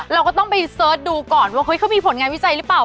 เราก็ต้องไปเสิร์ชดูก่อนว่าเฮ้ยเขามีผลงานวิจัยหรือเปล่า